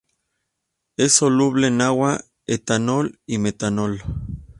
Es soluble en agua, etanol y metanol.